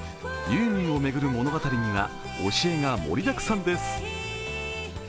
「ユーミンをめぐる物語」には教えが盛りだくさんです。